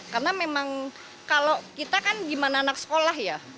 karena memang kalau kita kan gimana anak sekolah ya